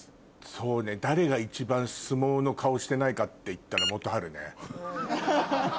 そうね誰が一番相撲の顔してないかっていったら元春ね。